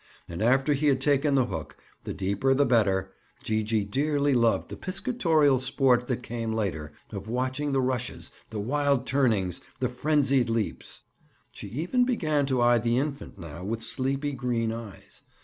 And after he had taken the hook—the deeper the better—Gee gee dearly loved the piscatorial sport that came later, of watching the rushes, the wild turnings, the frenzied leaps. She even began to eye the infant now with sleepy green eyes.